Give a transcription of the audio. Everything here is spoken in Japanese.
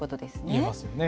言えますよね。